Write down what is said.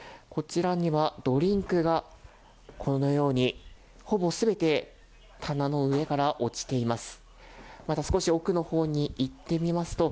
こちらにはドリンクがこのように、ほぼすべて棚の上から落ちています。